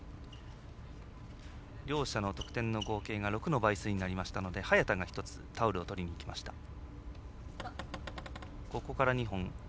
両者の得点の合計が６の倍数になりましたので早田が１つタオルをとりにいきました。